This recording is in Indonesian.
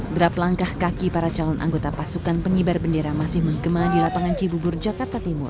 dreplangkah kaki para calon anggota pasukan penghibar bendera masih mengkema di lapangan cibubur jakarta timur